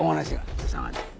ちょっと下がって。